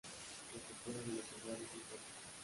Protectora de los hogares y templos.